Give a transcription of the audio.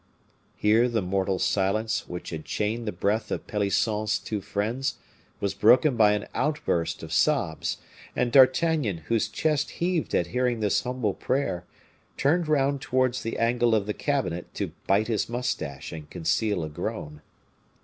Here the mortal silence which had chained the breath of Pelisson's two friends was broken by an outburst of sobs; and D'Artagnan, whose chest heaved at hearing this humble prayer, turned round towards the angle of the cabinet to bite his mustache and conceal a groan.